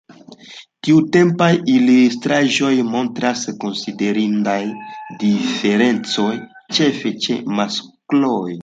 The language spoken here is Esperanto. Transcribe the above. Tiutempaj ilustraĵoj montras konsiderindajn diferencojn, ĉefe ĉe maskloj.